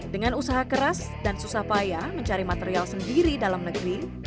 dengan usaha keras dan susah payah mencari material sendiri dalam negeri